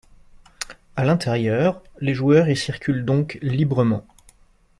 À l'intérieur, les joueurs y circulent donc librement.